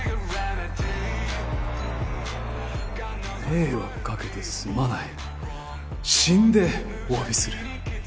「迷惑掛けてすまない」「死んでおわびする」